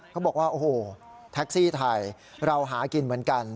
เขาบอกว่าโอ้โหแท็กซี่ไทยเราหากินเหมือนกัน